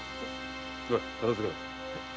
おい片づけろ。